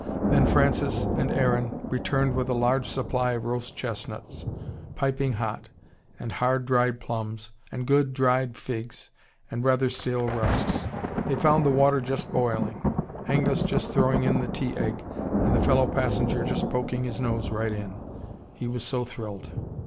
Then Francis and Aaron returned with a large supply of roast chestnuts, piping hot, and hard dried plums, and good dried figs, and rather stale rusks. They found the water just boiling, Angus just throwing in the tea egg, and the fellow passenger just poking his nose right in, he was so thrilled.